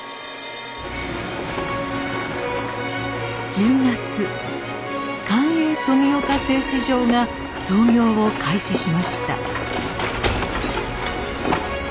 １０月官営富岡製糸場が操業を開始しました。